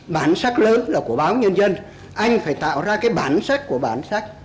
bản sắc lớn là của báo nhân dân anh phải tạo ra cái bản sắc của bản sắc